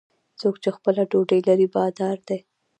څوک چې خپله ډوډۍ لري، بادار دی.